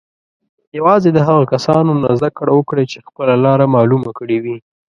یوازې د هغو کسانو نه زده کړه وکړئ چې خپله لاره معلومه کړې وي.